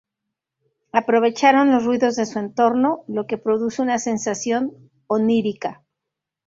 Aprovecharon los ruidos de su entorno, lo que produce una sensación onírica.